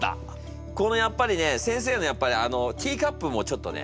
このやっぱりね先生のやっぱりあのティーカップもちょっとね